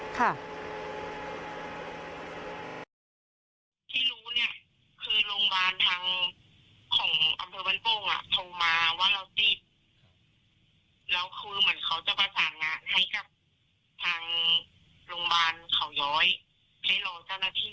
ที่รู้เนี่ยคือโรงพยาบาลทางของอำเตอร์วันโป้งอ่ะโทรมาว่าเราติด